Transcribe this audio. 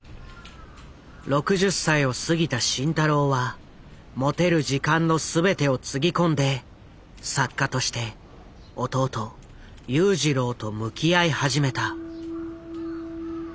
６０歳を過ぎた慎太郎は持てる時間の全てをつぎ込んで作家として弟裕次郎と向き合い始めた。